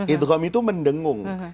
idhram itu mendengung